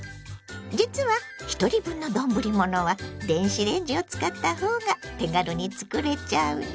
実はひとり分の丼ものは電子レンジを使ったほうが手軽に作れちゃうの。